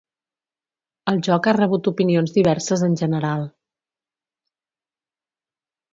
El joc ha rebut opinions diverses en general.